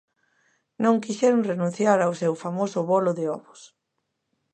Non quixeron renunciar ao seu famoso bolo de ovos.